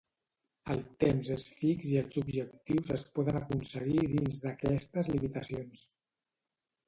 El temps és fix i els objectius es poden aconseguir dins d’aquestes limitacions.